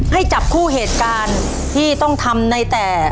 ให้จับคู่เหตุการณ์ที่ต้องทำในแต่